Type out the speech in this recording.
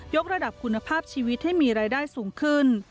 กระดับคุณภาพชีวิตให้มีรายได้สูงขึ้น